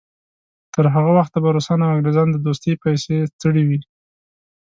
تر هغه وخته به روسان او انګریزان د دوستۍ پسې ستړي وي.